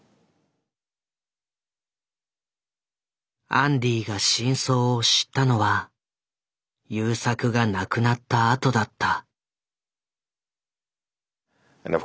アンディが真相を知ったのは優作が亡くなったあとだった。